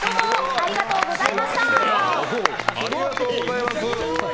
ありがとうございます。